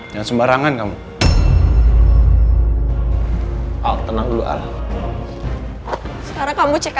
jangan sembarangan kamu kelahu ngomong